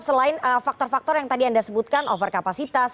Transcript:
selain faktor faktor yang tadi anda sebutkan overkapasitas